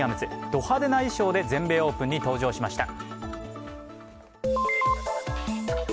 ド派手な衣装で全米オープンに登場しました。